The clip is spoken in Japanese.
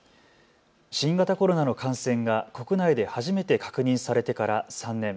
新型コロナの感染が国内で初めて確認されてから３年。